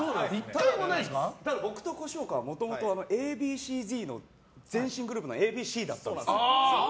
ただ僕と越岡はＡ．Ｂ．Ｃ‐Ｚの前身グループのＡ．Ｂ．Ｃだったんです。